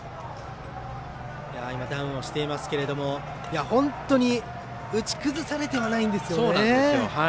ダウンをしていますけれども本当に打ち崩されてはないんですよね。